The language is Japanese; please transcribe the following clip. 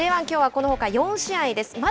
Ｊ１、きょうはこのほか４試合です。